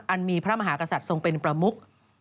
มีพระมหากษัตริย์ทรงเป็นประมุก